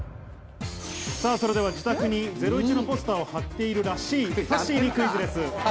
それでは自宅に『ゼロイチ』のポスターを貼っているらしい、さっしーにクイズです。